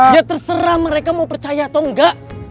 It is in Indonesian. ya terserah mereka mau percaya atau enggak